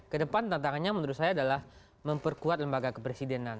kedepan tantangannya menurut saya adalah memperkuat lembaga kepresidenan